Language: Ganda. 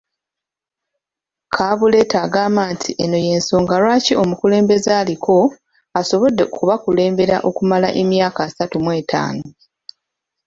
Kabuleta agamba nti eno y'ensonga lwaki omukulembeze aliko asobodde okubakulembera okumala emyaka asatu mw'etaano